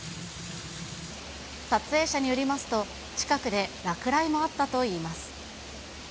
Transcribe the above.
撮影者によりますと、近くで落雷もあったといいます。